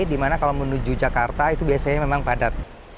dimana kalau menuju jakarta itu biasanya memang padat